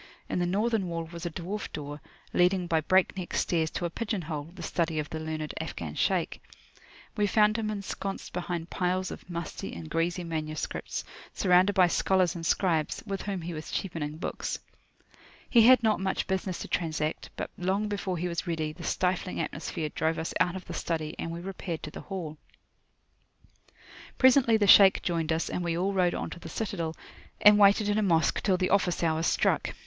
In the northern wall was a dwarf door, leading by breakneck stairs to a pigeon hole, the study of the learned Afghan Shaykh. We found him ensconced behind piles of musty and greasy manuscripts, surrounded by scholars and scribes, with whom he was cheapening books. He had not much business to transact; but long before he was ready, the stifling atmosphere drove us out of the study, and we repaired to the hall. Presently the Shaykh joined us, and we all rode on to the citadel, and waited in a Mosque till the office hour struck.